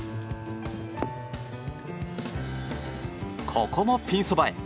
ここもピンそばへ。